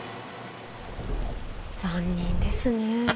残忍ですね。